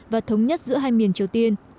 và thống nhất giữa hai miền triều tiên